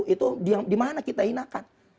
itu dimana kita hinakan